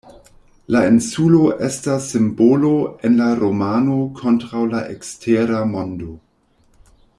La insulo estas simbolo en la romano kontraŭ la ekstera mondo.